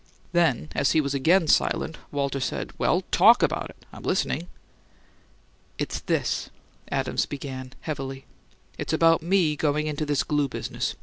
Then, as he was again silent, Walter said, "Well, TALK about it; I'm listening." "It's this," Adams began, heavily. "It's about me going into this glue business.